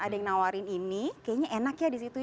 ada yang nawarin ini kayaknya enak ya disitu